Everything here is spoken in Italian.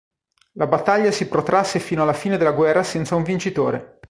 La battaglia si protrasse fino alla fine della guerra senza un vincitore.